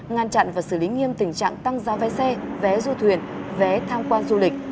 ngăn chặn và xử lý nghiêm tình trạng tăng giao vé xe vé du thuyền vé tham quan du lịch